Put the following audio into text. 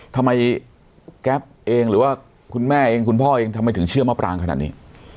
แก๊ปเองหรือว่าคุณแม่เองคุณพ่อเองทำไมถึงเชื่อมะปรางขนาดนี้